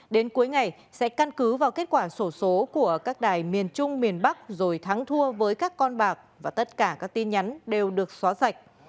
đến cuối ngày sẽ căn cứ vào kết quả sổ số của các đài miền trung miền bắc rồi thắng thua với các con bạc và tất cả các tin nhắn đều được xóa sạch